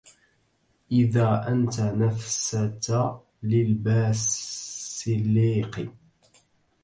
إذا أنت نفست للباسليق